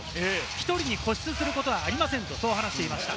１人に固執することはありませんと話していました。